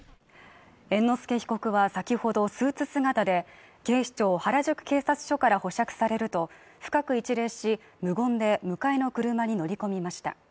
猿之助被告は先ほどスーツ姿で警視庁・原宿警察署から保釈されると深く一礼し無言で迎えの車に乗り込みました。